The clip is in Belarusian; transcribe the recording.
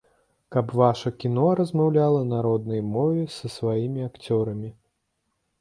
Каб ваша кіно размаўляла на роднай мове, са сваімі акцёрамі.